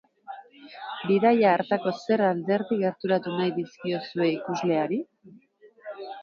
Bidaia hartako zer alderdi gerturatu nahi dizkiozue ikusleari?